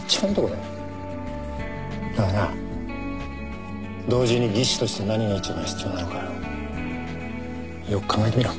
だがな同時に技師として何が一番必要なのかよく考えてみろ。